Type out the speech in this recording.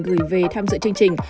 gửi về tham dự chương trình